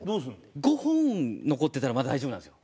５本残ってたらまあ大丈夫なんですよ。